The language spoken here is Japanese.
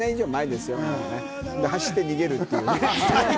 で、走って逃げるという。